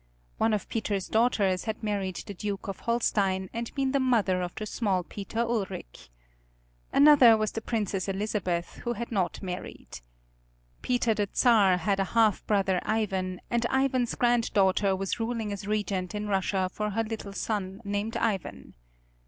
One of Peter's daughters had married the Duke of Holstein, and been the mother of the small Peter Ulric. Another was the Princess Elizabeth, who had not married. Peter the Czar had a half brother Ivan, and Ivan's granddaughter was ruling as regent in Russia for her little son named Ivan.